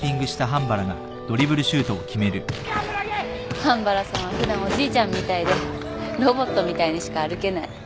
半原さんは普段おじいちゃんみたいでロボットみたいにしか歩けない。